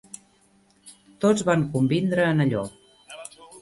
Tots van convindre en allò.